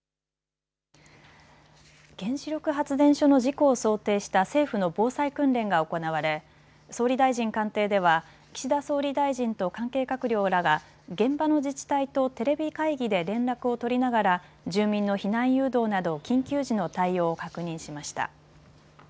原子力発電所の事故を想定した政府の防災訓練が行われ総理大臣官邸では岸田総理大臣と関係閣僚らが現場の自治体とテレビ会議で連絡を取りながら住民の避難誘導など緊急時の対応を確認しました。